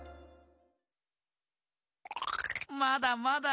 まだまだ。